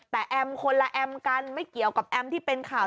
แต่แอมคนละแอมกันไม่เกี่ยวกับแอมที่เป็นข่าว